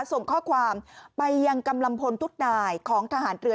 ส่งข้อความไปยังกำลังพลทุกนายของทหารเรือ